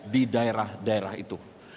di daerah daerah itu